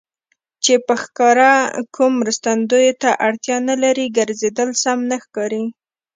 چې په ښکاره کوم مرستندویه ته اړتیا نه لري، ګرځېدل سم نه ښکارېدل.